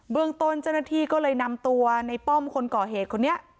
เรื่องต้นเจ้าหน้าที่ก็เลยนำตัวในป้อมคนก่อเหตุคนนี้